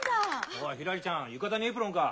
おひらりちゃん浴衣にエプロンか。